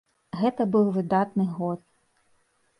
Гэта быў выдатны год!